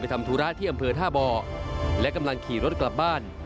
ทำธุระที่อำเภอท่าบ่อและกำลังขี่รถกลับบ้าน